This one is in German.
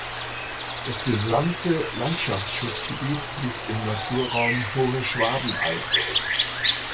Das gesamte Landschaftsschutzgebiet liegt im Naturraum Hohe Schwabenalb.